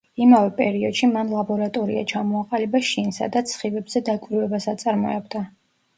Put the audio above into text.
იმავე პერიოდში მან ლაბორატორია ჩამოაყალიბა შინ, სადაც სხივებზე დაკვირვებას აწარმოებდა.